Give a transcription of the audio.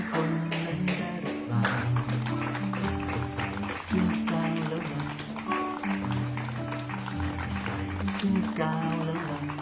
เพื่อคุณหมอทำงานได้ง่าย